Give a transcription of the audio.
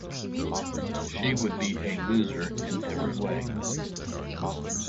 She would be a loser in every way.